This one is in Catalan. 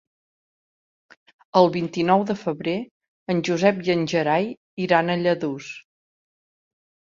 El vint-i-nou de febrer en Josep i en Gerai iran a Lladurs.